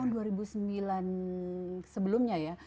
tahun dua ribu sembilan sebelumnya ya